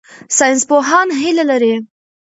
ساینسپوهان هیله لري.